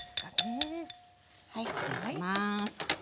はい失礼します。